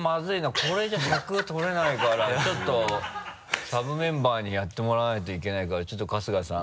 これじゃ尺取れないからちょっとサブメンバーにやってもらわないといけないからちょっと春日さん。